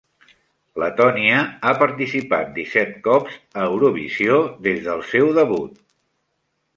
Letònia ha participat disset cops a Eurovisió des del seu debut.